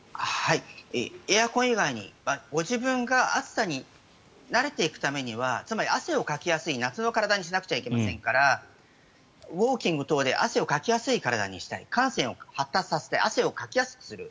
エアコン以外に、ご自分が暑さに慣れていくためにはつまり汗をかきやすい夏の体にしなくてはいけませんからウォーキング等で汗をかきやすい体にしたい汗腺を発達させて汗をかきやすくする。